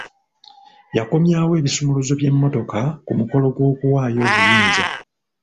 Yakomyawo ebisumuluzo by'emmotoka ku mukolo gw'okuwaayo obuyinza.